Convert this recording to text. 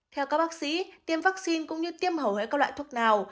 theo các bác sĩ tiêm vaccine cũng như tiêm hầu hết các loại thuốc nào